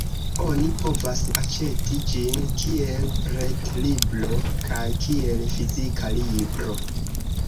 Oni povas aĉeti ĝin kiel ret-libro kaj kiel fizika libro.